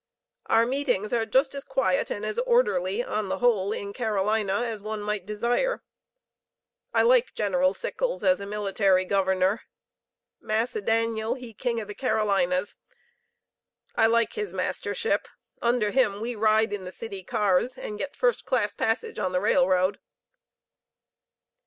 Our meetings are just as quiet and as orderly on the whole in Carolina as one might desire. I like General Sickles as a Military Governor. 'Massa Daniel, he King of the Carolinas.' I like his Mastership. Under him we ride in the City Cars, and get first class passage on the railroad."